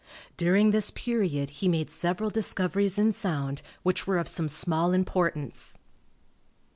During this period he made several discoveries in sound which were of some small importance.